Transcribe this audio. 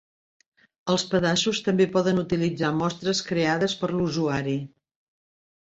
Els pedaços també poden utilitzar mostres creades per l'usuari.